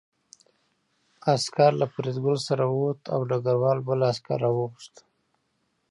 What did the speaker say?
عسکر له فریدګل سره ووت او ډګروال بل عسکر راوغوښت